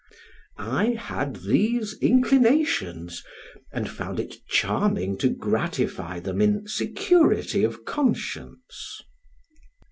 I had these inclinations, and found it charming to gratify them in security of conscience.